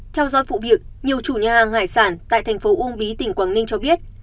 theo dõi vụ việc nhiều chủ nhà hàng hải sản tại thành phố uông bí tỉnh quảng ninh cho biết